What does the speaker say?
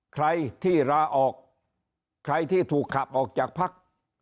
ใครที่ลาออกใครที่ถูกขับออกจากพัก